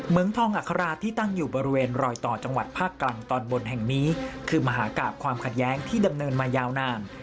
เมืองทองอัคราที่ตั้งอยู่บริเวณรอยต่อจังหวัดภาคกลางตอนบนแห่งนี้คือมหากราบความขัดแย้งที่ดำเนินมายาวนาน